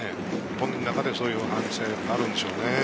本人の中でそういう反省があるのでしょう。